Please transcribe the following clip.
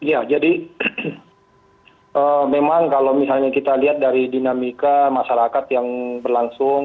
ya jadi memang kalau misalnya kita lihat dari dinamika masyarakat yang berlangsung